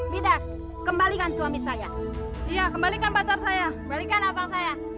midas kembalikan suami saya iya kembalikan pacar saya